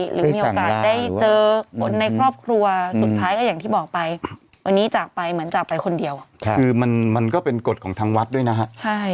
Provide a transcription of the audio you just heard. หรือมีโอกาสได้เจอคนในครอบครัวสุดท้ายก็อย่างที่บอกไปวันนี้จากไปเหมือนจากไปคนเดียวคือมันมันก็เป็นกฎของทางวัดด้วยนะฮะใช่